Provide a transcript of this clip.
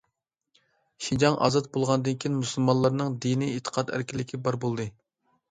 شىنجاڭ ئازاد بولغاندىن كېيىن، مۇسۇلمانلارنىڭ دىنىي ئېتىقاد ئەركىنلىكى بار بولدى.